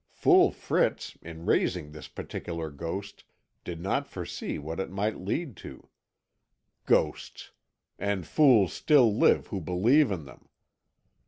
Fool Fritz, in raising this particular ghost, did not foresee what it might lead to. Ghosts! And fools still live who believe in them!